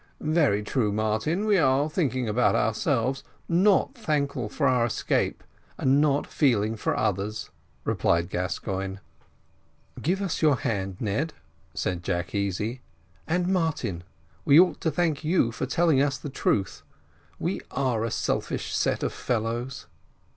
"Very true, Martin, we are thinking about ourselves, not thankful for our escape, and not feeling for others," replied Gascoigne. "Give us your hand, Ned," said Jack Easy. "And, Martin, we ought to thank you for telling us the truth we are a selfish set of fellows."